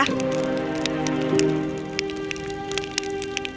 kau akan membuatnya seperti sang putri